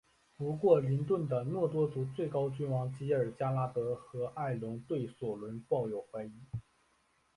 不过林顿的诺多族最高君王吉尔加拉德和爱隆对索伦抱有怀疑。